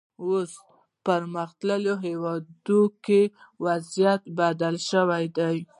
اوس په پرمختللو هېوادونو کې وضعیت بدل شوی دی.